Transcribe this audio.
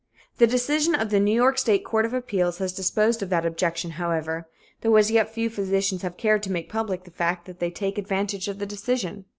The decision of the New York State Court of Appeals has disposed of that objection, however, though as yet few physicians have cared to make public the fact that they take advantage of the decision.